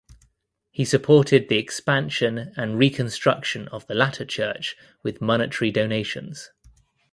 He supported the expansion and reconstruction of the latter church with monetary donations.